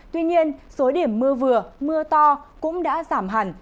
tuy nhiên số điểm mưa vừa mưa to cũng đã giảm hẳn